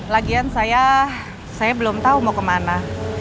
lagian saya belum tahu mau ke mana